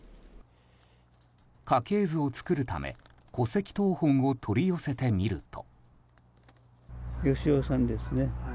家系図を作るため戸籍謄本を取り寄せてみると。